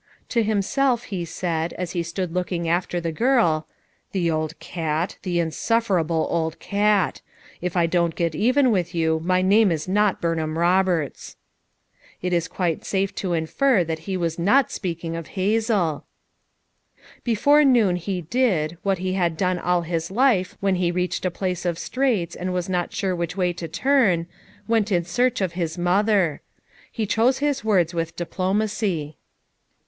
To himself he said, as he stood looking after the girl: "The old cat! the insufferable old cat I if I don't get even with you my name is not Burnham Roberts/' It is quite safe to infer that he was not speaking of Hazel! Before noon he did, what he had done all his life when he reached a place of straits and was not sure 250 FOUR MOTHERS AT CHAUTAUQUA which way to turn, went in search of his mother. He chose his words with diplomacy.